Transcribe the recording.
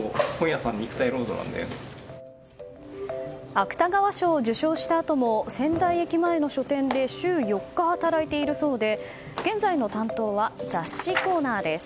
芥川賞を受賞したあとも仙台駅前の書店で週４日働いているそうで現在の担当は雑誌コーナーです。